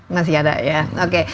masih ada ya oke